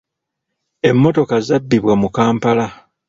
Emmotoka zabbibwa mu Kampala.